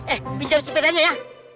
eh pinjam sepedanya ya